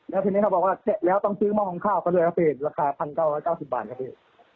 แล้วทีนี้เขาบอกว่าแกะแล้วต้องซื้อหม้อหุงข้าวก็เลยเอาเปรตราคาพันเก้าร้อยเก้าสิบบาทกับเปรต